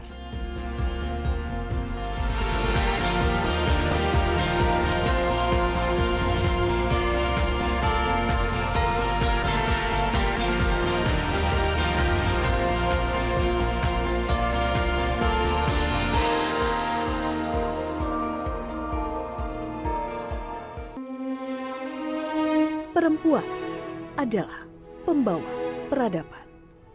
pertama perempuan adalah pembawa peradaban